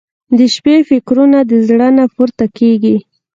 • د شپې فکرونه د زړه نه پورته کېږي.